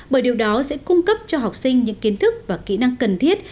bởi điều đó sẽ cung cấp cho học sinh những kiến thức và kỹ năng cần thiết